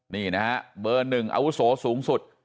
นี่นะฮะเบอร์๑อาวุโสสูงสุด